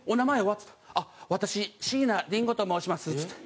っつったら「私椎名林檎と申します」っつって。